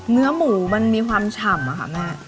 เนื้อหมูมันมีความฉ่ำอะค่ะแม่